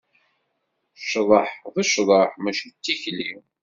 Cḍeh d ccḍeḥ, mačči d tikli.